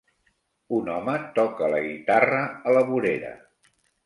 Un home toca la guitarra a la vorera.